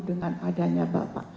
dengan adanya bapak